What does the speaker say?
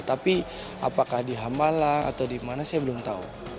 tapi apakah di hambalang atau di mana saya belum tahu